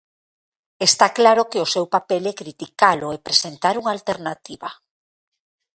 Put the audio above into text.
Está claro que o seu papel é criticalo e presentar unha alternativa.